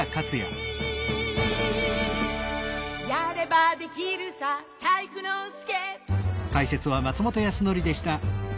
「やればできるさ体育ノ介」